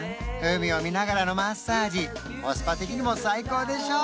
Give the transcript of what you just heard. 海を見ながらのマッサージコスパ的にも最高でしょ？